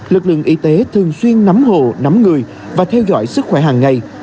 lực lượng y tế thường xuyên nắm hồ nắm người và theo dõi sức khỏe hàng ngày